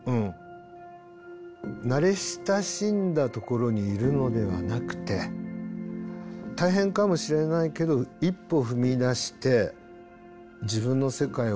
慣れ親しんだところにいるのではなくて大変かもしれないけど一歩踏み出して自分の世界を広げていく。